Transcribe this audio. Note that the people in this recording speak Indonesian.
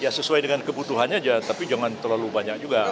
ya sesuai dengan kebutuhannya aja tapi jangan terlalu banyak juga